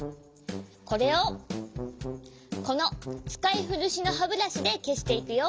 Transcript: これをこのつかいふるしのはブラシでけしていくよ。